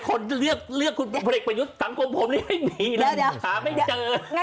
คนที่เลือกวันเด็กพยุดสังคมผมเอาไม่มีเลยหาไม่เจอ